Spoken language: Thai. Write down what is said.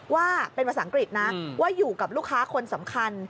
ว่าเป็นภาษาอังกฤษนะว่าอยู่กับลูกค้าคนสำคัญ